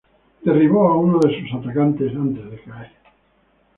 Derribó a uno de sus atacantes antes de caer.